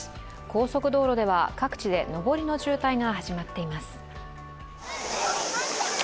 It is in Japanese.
高速道路では、各地で上りの渋滞が始まっています。